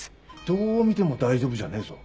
どう見ても大丈夫じゃねえぞ。